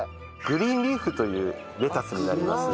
グリーンリーフというレタスになります。